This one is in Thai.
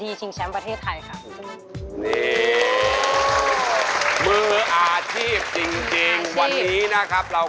ที่เขาเลือกมาโชว์